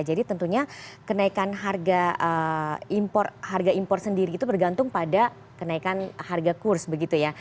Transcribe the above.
jadi tentunya kenaikan harga impor sendiri itu bergantung pada kenaikan harga kurs begitu ya